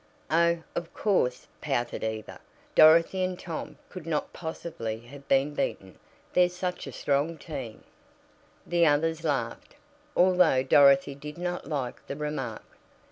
"Oh, of course," pouted Eva, "Dorothy and Tom could not possibly have been beaten. They're such a strong team!" The others laughed, although Dorothy did not like the remark.